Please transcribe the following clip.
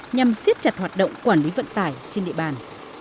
nhằm siết chặt hoạt động quản lý vận tải trên địa bàn